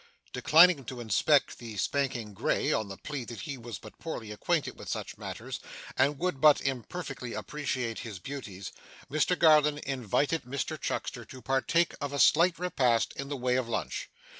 Declining to inspect the spanking grey, on the plea that he was but poorly acquainted with such matters, and would but imperfectly appreciate his beauties, Mr Garland invited Mr Chuckster to partake of a slight repast in the way of lunch.